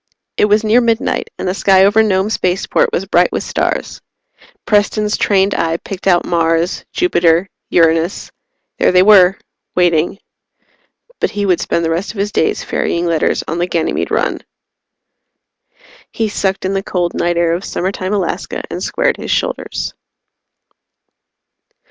It was near midnight, and the sky over Nome Spaceport was bright with stars. Preston's trained eye picked out Mars, Jupiter, Uranus. There they were waiting. But he would spend the rest of his days ferrying letters on the Ganymede run. He sucked in the cold night air of summertime Alaska and squared his shoulders.